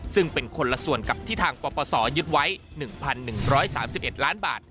ซึ่งเป็นคนละส่วนกับที่ทางปปศยึดไว้๑๑๓๑ล้านบาท